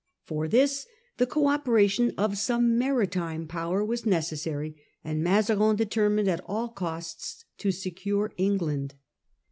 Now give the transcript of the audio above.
For this the co operation of some maritime power was necessary, and Mazarin determined at all costs to secure England.